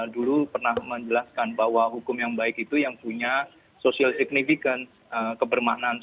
dulu pernah menjelaskan bahwa hukum yang baik itu yang punya social signifikan kebermaknaan